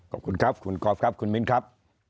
ขอบคุณครับขอบคุณครับขอบคุณมินครับ